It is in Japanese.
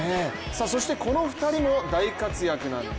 そしてこの２人も大活躍なんです。